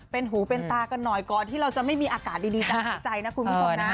เป็นหูเป็นตากันหน่อยก่อนที่เราจะไม่มีอากาศดีจากที่ใจนะคุณผู้ชมนะ